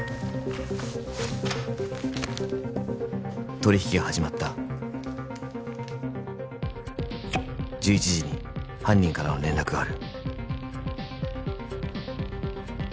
「取引が始まった」「１１時に犯人からの連絡がある」